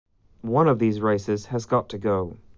One of these races has got to go.